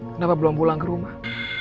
kenapa belum pulang ke rumah